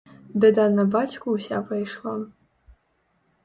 Бяда на бацьку ўся пайшла.